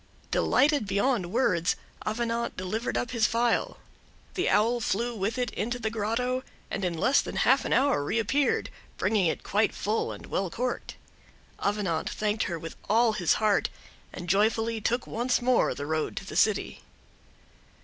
Delighted beyond words, Avenant delivered up his phial; the Owl flew with it into the grotto, and in less than half an hour reappeared, bringing it quite full and well corked. Avenant thanked her with all his heart, and joyfully took once more the road to the city.